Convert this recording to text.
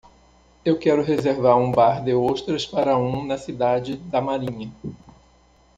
Eu quero reservar um bar de ostras para um na cidade da Marinha.